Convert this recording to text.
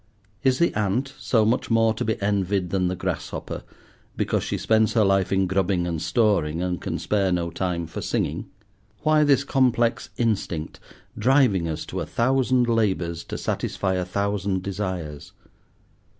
Is the ant so much more to be envied than the grasshopper, because she spends her life in grubbing and storing, and can spare no time for singing? Why this complex instinct, driving us to a thousand labours to satisfy a thousand desires?